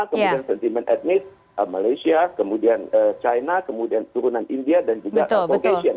kemudian sentimen etnis malaysia kemudian china kemudian turunan india dan juga foundation